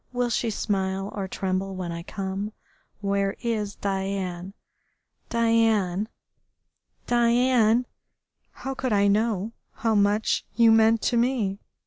Will she smile or tremble when I come?... Where is Diane?... Diane, Diane, how could I know how much you meant to me?